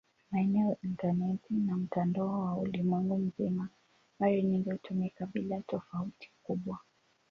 Maneno "intaneti" na "mtandao wa ulimwengu mzima" mara nyingi hutumika bila tofauti kubwa.